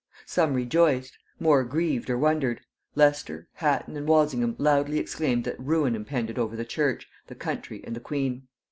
Some rejoiced; more grieved or wondered; Leicester, Hatton and Walsingham loudly exclaimed that ruin impended over the church, the country, and the queen.